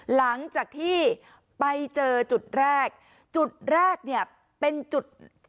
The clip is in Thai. หลังจากที่ไปเจอจุดแรกจุดแรกเนี่ยเป็นจุด